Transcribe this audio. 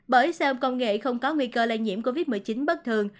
bởi xe ôm công nghệ không có nguy cơ lây nhiễm covid một mươi chín bất thường